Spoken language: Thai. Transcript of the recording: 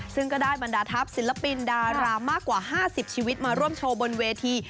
ซึ่งก็ได้บรรดาทัพศิลปินดารามากกว่า๕๐ชีวิตมาร่วมโชว์บนเวที